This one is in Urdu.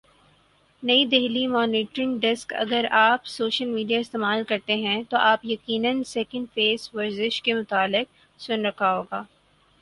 نئی دہلی مانیٹرنگ ڈیسک اگر آپ سوشل میڈیا استعمال کرتے ہیں تو آپ یقینا سیکنڈ فیس ورزش کے متعلق سن رکھا ہو گا